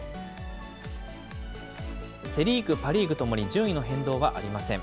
セ・リーグ、パ・リーグともに順位の変動はありません。